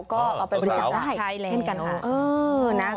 ก็เอาไปบริจาคได้เช่นกันค่ะ